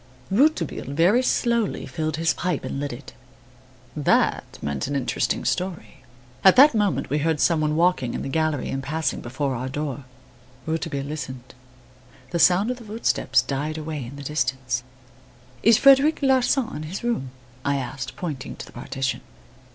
Rouletabille very slowly filled his pipe and lit it. That meant an interesting story. At that moment we heard some one walking in the gallery and passing before our door. Rouletabille listened. The sound of the footstep died away in the distance. "Is Frederic Larsan in his room?" I asked, pointing to the partition.